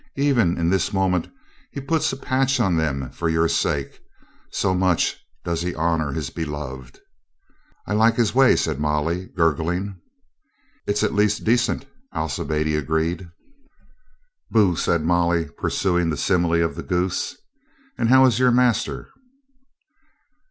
Even in this moment he puts a patch on them for your sake. So much does he honor his beloved." "I like his way," said Molly, gurgling. "It is at least decent," Alcibiade agreed. "Bo," said Molly, pursuing the simile of the goose. "And how is your master?"